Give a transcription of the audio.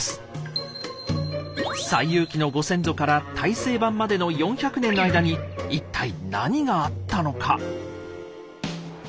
「西遊記」のご先祖から大成版までの４００年の間に一体何があったのか。